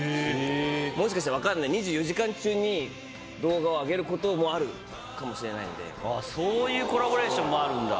もしかしたら分かんない、２４時間中に動画を上げることもあるかそういうコラボレーションもあるんだ。